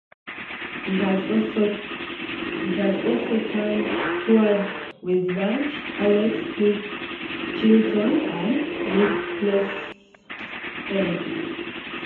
He has also toured with Lunch, Alex Chilton and Wreckless Eric.